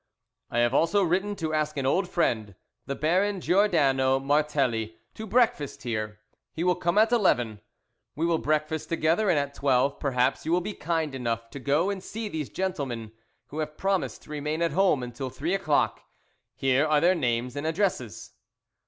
"I have also written to ask an old friend, the Baron Giordano Martelli, to breakfast here. He will come at eleven. We will breakfast together, and at twelve, perhaps, you will be kind enough to go and see these gentlemen who have promised to remain at home until three o'clock. Here are their names and addresses."